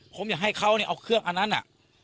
ผมอยากให้เขาเนี่ยเอาเครื่องอันนั้นน่ะ